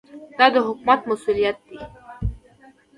دا د حکومت مسوولیت دی.